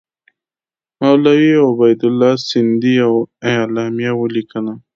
مولوي عبیدالله سندي یوه اعلامیه ولیکله.